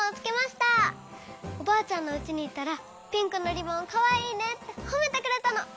おばあちゃんのうちにいったらピンクのリボンかわいいねってほめてくれたの。